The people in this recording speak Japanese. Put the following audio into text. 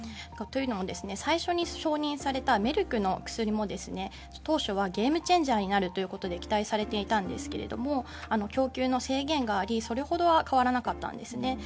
というのも、最初に承認されたメルクの薬も当初はゲームチェンジャーになるということで期待されていたんですが供給の制限があり、それほどは変わらなかったんです。